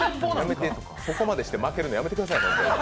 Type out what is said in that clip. そこまでして負けるのやめてください。